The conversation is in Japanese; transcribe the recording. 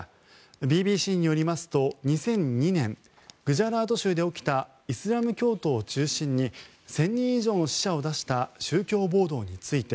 ＢＢＣによりますと、２００２年グジャラート州で起きたイスラム教徒を中心に１０００人以上の死者を出した宗教暴動について。